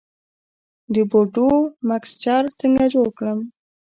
د بورډو مکسچر څنګه جوړ کړم؟